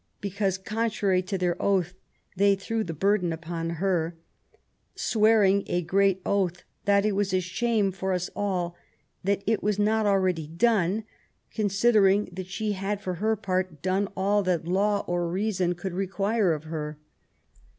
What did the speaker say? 230 QUEEN ELIZABETH. because contrary to their oath they threw the burden upon her, swearing a great oath, that it was a shame for us all that it was not already done, con sidering that she had, for her part, done all that law or reason could require of her".